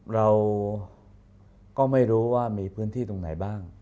เราก็ไม่รู้ว่ามีพื้นที่ตรงไหนบ้าง